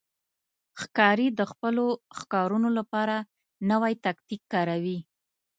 ښکاري د خپلو ښکارونو لپاره نوی تاکتیک کاروي.